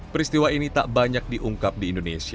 peristiwa ini tak banyak diungkap di indonesia